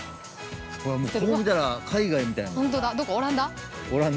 こう見たら海外みたいやもん。